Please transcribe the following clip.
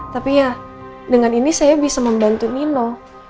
tapi ya dengan ini saya bisa membantu nino